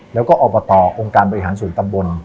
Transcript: แล้วก็อบตองค์การบริหารส่วนตำบล